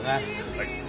はい。